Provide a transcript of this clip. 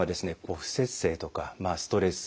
不摂生とかストレス